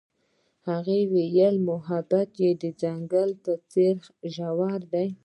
هغې وویل محبت یې د ځنګل په څېر ژور دی.